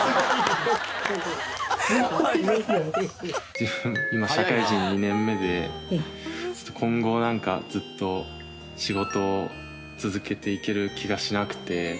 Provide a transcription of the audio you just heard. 自分今社会人２年目で今後ずっと仕事を続けていける気がしなくて。